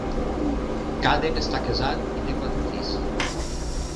Cadden està casat i té quatre fills.